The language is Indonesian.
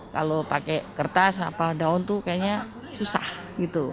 kalau pakai kertas atau daun itu kayaknya susah gitu